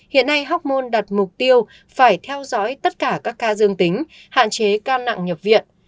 hiện nay hóc môn đặt mục tiêu phải theo dõi tất cả các ca dương tính hạn chế ca nặng nhập viện